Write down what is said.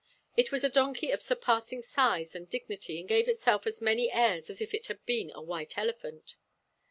It was a donkey of surpassing size and dignity, and gave itself as many airs as if it had been a white elephant.